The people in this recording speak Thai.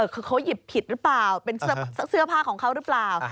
คือเขาหยิบผิดหรือเปล่าเป็นเสื้อผ้าของเขาหรือเปล่า